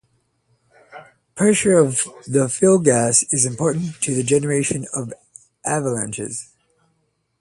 Pressure of the fill gas is important in the generation of avalanches.